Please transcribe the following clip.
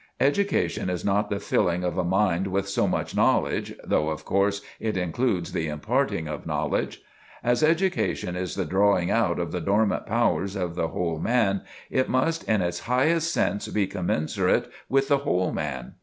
Education is not the filling of a mind with so much knowledge, though, of course, it includes the imparting of knowledge. As education is the drawing out of the dormant powers of the whole man, it must in its highest sense be commensurate with the whole man.